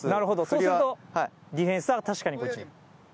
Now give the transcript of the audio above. そうするとディフェンスは確かにこっちに。